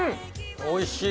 「おいしい！」